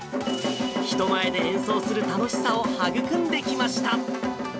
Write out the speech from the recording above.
人前で演奏する楽しさを育んできました。